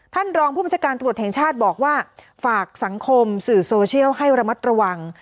ท่านรองผู้บัญชาการตำรวจแห่งชาติบอกว่าฝากสังคมสื่อโซเชียลให้ระมัดระวัง